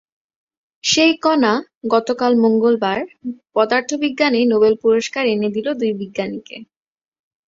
সেই কণা গতকাল মঙ্গলবার পদার্থবিজ্ঞানে নোবেল পুরস্কার এনে দিল দুই বিজ্ঞানীকে।